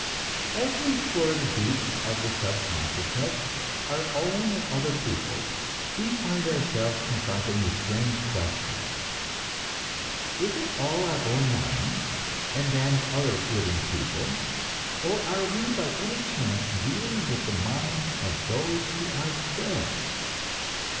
As we explore the deeps of the subconsciousness, our own and other people's, we find ourselves confronting the strange question: Is it all our own mind, and that of other living people, or are we by any chance dealing with the minds of those who are dead?